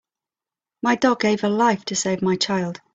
My dog gave her life to save my child.